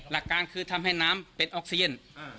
แต่มันชื่อว่าน้ำมนต์ทิปต้านโควิดใช่ไหม